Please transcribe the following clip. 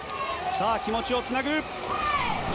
気持ちをつなぐ。